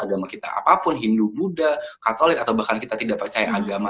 agama kita apapun hindu muda katolik atau bahkan kita tidak percaya agama